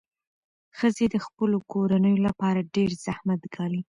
ښځې د خپلو کورنیو لپاره ډېر زحمت ګالي.